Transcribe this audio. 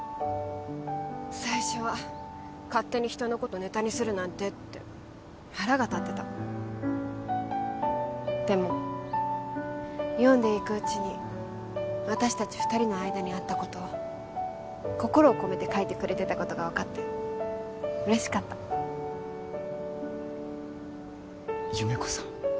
最初は勝手に人のことネタにするなんてって腹が立ってたでも読んでいくうちに私たち二人の間にあったこと心を込めて描いてくれてたことが分かってうれしかった優芽子さん